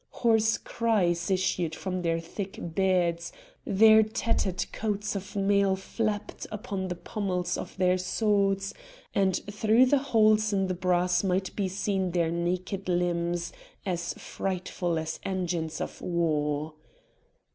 Hoarse cries issued from their thick beards, their tattered coats of mail flapped upon the pommels of their swords, and through the holes in the brass might be seen their naked limbs, as frightful as engines of war.